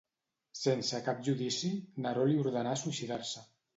Sense cap judici, Neró li ordenà suïcidar-se.